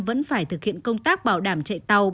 vẫn phải thực hiện công tác bảo đảm chạy tàu